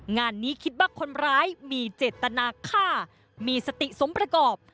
งานนี้คิดว่าคนร้ายมีเจตนาฆ่ามีสติสมประกอบ